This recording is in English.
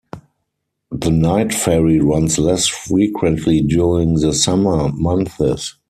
The night ferry runs less frequently during the summer months.